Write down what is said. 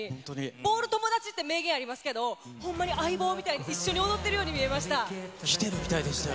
ボール友達って名言ありますけど、ほんまに相棒みたいに一緒に踊っ生きてるみたいでしたよね。